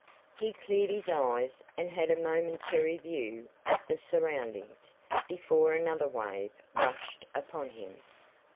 He cleared his eyes, and had a momentary view of the surroundings before another wave rushed upon him.